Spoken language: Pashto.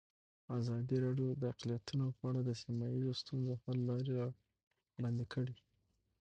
ازادي راډیو د اقلیتونه په اړه د سیمه ییزو ستونزو حل لارې راوړاندې کړې.